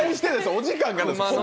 お時間なんです。